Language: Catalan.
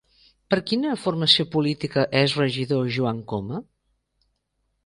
Per quina formació política és regidor Joan Coma?